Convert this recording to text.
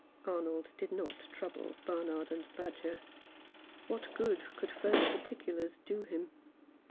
Arnold did not trouble Barnard and Badger. 47 Rough Justice. What good could further particulars do him